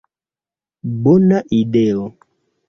Bona ideo.